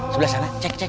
sebelah sana cek cek